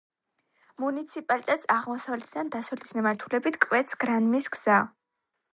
მუნიციპალიტეტს აღმოსავლეთიდან დასავლეთის მიმართულებით კვეთს გრანმის გზა.